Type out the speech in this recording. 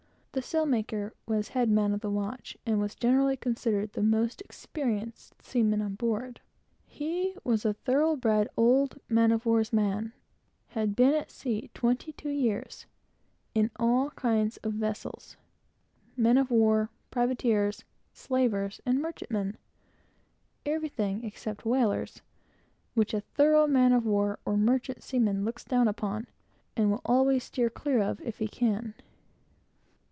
The sailmaker was the head man of the watch, and was generally considered the most experienced seaman on board. He was a thoroughbred old man of war's man, had been to sea twenty two years, in all kinds of vessels men of war, privateers, slavers, and merchantmen; everything except whalers, which a thorough sailor despises, and will always steer clear of, if he can.